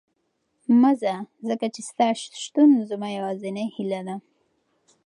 مه ځه، ځکه چې ستا شتون زما یوازینۍ هیله ده.